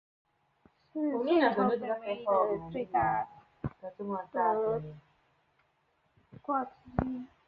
是现存北美的最大的蛙之一。